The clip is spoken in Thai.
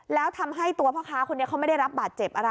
แล้วทำให้ตัวพ่อค้าคนนี้เขาไม่ได้รับบาดเจ็บอะไร